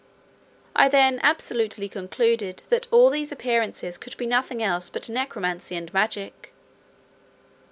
I then absolutely concluded, that all these appearances could be nothing else but necromancy and magic.